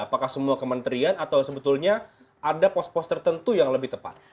apakah semua kementerian atau sebetulnya ada pos pos tertentu yang lebih tepat